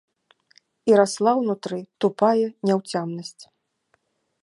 І расла ўнутры тупая няўцямнасць.